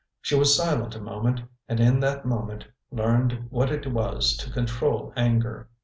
She was silent a moment, and in that moment learned what it was to control anger.